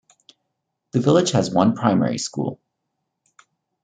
The village has one primary school.